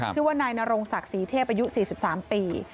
ชื่อว่านายนรงศักดิ์ศรีเทพอายุ๔๓ปี